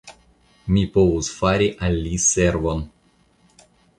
Mi povus fari al li servon.